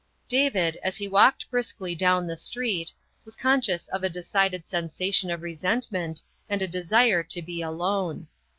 David, as he walked briskly down the street, was con scious of a decided sensation of resentment and a desire to be alone.